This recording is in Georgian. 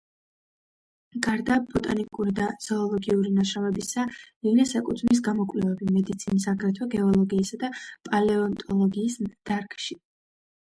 გარდა ბოტანიკური და ზოოლოგიური ნაშრომებისა, ლინეს ეკუთვნის გამოკვლევები მედიცინის, აგრეთვე გეოლოგიისა და პალეონტოლოგიის დარგში.